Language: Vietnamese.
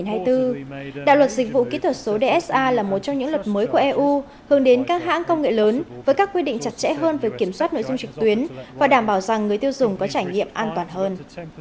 năm hai nghìn hai mươi bốn đạo luật dịch vụ kỹ thuật số dsa là một trong những luật mới của eu hướng đến các hãng công nghệ lớn với các quy định chặt chẽ hơn về kiểm soát nội dung trực tuyến và đảm bảo rằng người tiêu dùng có trải nghiệm an toàn hơn